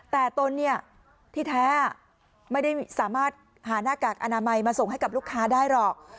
แต่ตนเนี่ยที่แท้ไม่ได้สามารถหาหน้ากากอนามัยมาส่งให้กับลูกค้าได้หรอก